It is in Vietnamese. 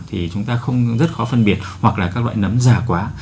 thì chúng ta không rất khó phân biệt hoặc là các loại nấm già quá